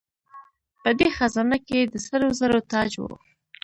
په دې خزانه کې د سرو زرو تاج و